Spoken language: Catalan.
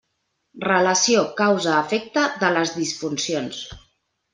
Relació causa efecte de les disfuncions.